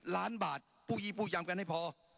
๓๗๗๐ล้านบาทปูยีปูยำกันให้พอ